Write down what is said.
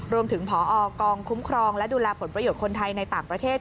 ผอกองคุ้มครองและดูแลผลประโยชน์คนไทยในต่างประเทศ